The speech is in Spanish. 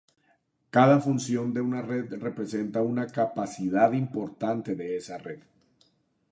Cada función de una red representa una capacidad importante de esa red.